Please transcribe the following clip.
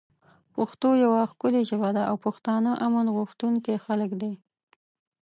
پښتو یوه ښکلی ژبه ده او پښتانه امن غوښتونکی خلک دی